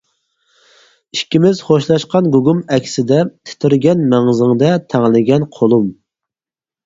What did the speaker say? ئىككىمىز خوشلاشقان گۇگۇم ئەكسىدە، تىترىگەن مەڭزىڭدە تەڭلىگەن قولۇم.